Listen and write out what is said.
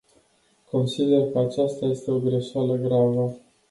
Consider că aceasta este o greșeală gravă.